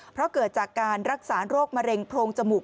เพราะเกิดจากการรักษาโรคมะเร็งโพรงจมูก